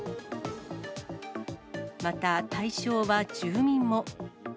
また対象は住民も。